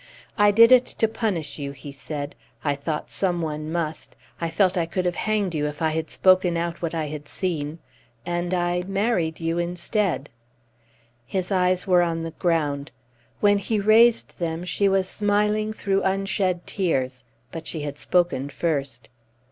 "I did it to punish you," he said. "I thought some one must I felt I could have hanged you if I had spoken out what I had seen and I married you instead!" His eyes were on the ground. When he raised them she was smiling through unshed tears. But she had spoken first.